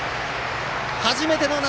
初めての夏